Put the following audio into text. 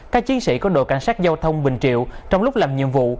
các chiến sĩ của đội cảnh sát giao thông bình triệu trong lúc làm nhiệm vụ